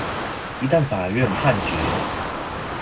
一旦法院判決